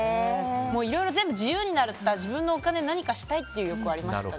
いろいろ、全部自由になるから自分のお金で何かしたいっていう意欲はありました。